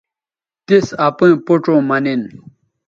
تِس اپئیں پوڇوں مہ نن